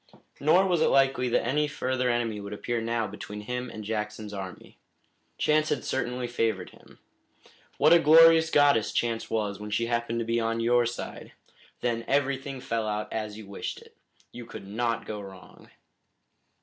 Nor was it likely that any further enemy would appear now between him and Jackson's army. Chance had certainly favored him. What a glorious goddess Chance was when she happened to be on your side! Then everything fell out as you wished it. You could not go wrong.